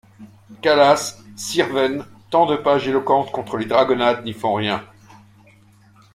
Calas, Sirven, tant de pages éloquentes contre les dragonnades n’y font rien.